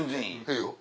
ええよ